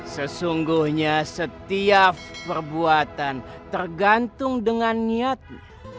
sesungguhnya setiap perbuatan tergantung dengan niatnya